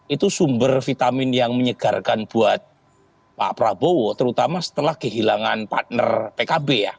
itu sumber vitamin yang menyegarkan buat pak prabowo terutama setelah kehilangan partner pkb ya